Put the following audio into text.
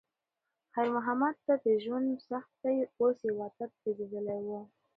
خیر محمد ته د ژوند سختۍ اوس یو عادت ګرځېدلی و.